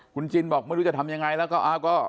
คุณจินบอกไม่รู้จะทำยังไงแล้วก็เอาก็